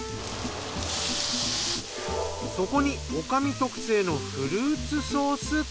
そこに女将特製のフルーツソース。